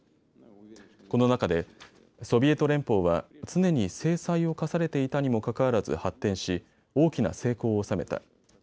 この中で、ソビエト連邦は常に制裁を科されていたにもかかわらず発展し大きな成功を収めた。